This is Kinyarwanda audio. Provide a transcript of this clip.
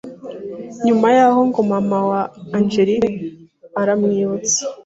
Nyuma y’aho ngo mama wa Angelique aramwibutsa